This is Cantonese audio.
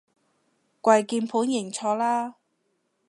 跪鍵盤認錯啦